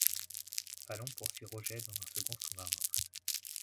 Falon poursuit Roget dans un second sous-marin.